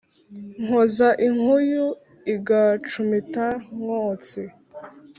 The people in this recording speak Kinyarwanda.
nkoza inkuyu igacumita nkotsi,